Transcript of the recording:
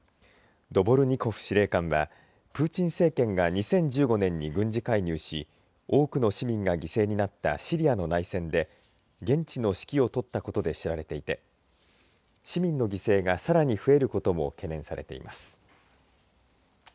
ドボルニコフ司令官はプーチン政権が２０１５年に軍事介入し多くの市民が犠牲になったシリアの内戦で現地の指揮を執ったことで知られていて市民の犠牲がさらに増えることも懸念されています。